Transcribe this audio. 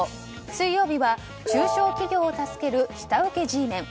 水曜日は中小企業を助ける下請けＧメン。